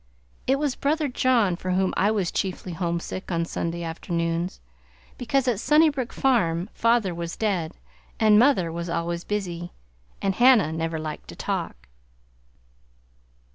It was brother John for whom I was chiefly homesick on Sunday afternoons, because at Sunnybrook Farm father was dead and mother was always busy, and Hannah never liked to talk.